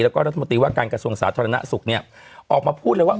และการกระทรวงสาธารณสุขออกมาพูดเลยว่า